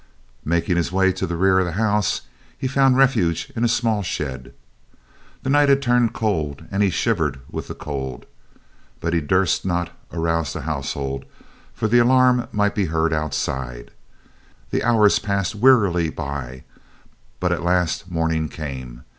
Making his way to the rear of the house, he found refuge in a small shed. The night had turned cool and he shivered with the cold. But he durst not arouse the household, for the alarm might be heard outside. The hours passed wearily by, but at last morning came.